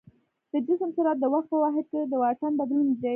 د جسم سرعت د وخت په واحد کې د واټن بدلون دی.